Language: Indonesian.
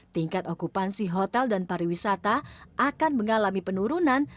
tingkat okupansi hotel dan pariwisata akan mengalami penurunan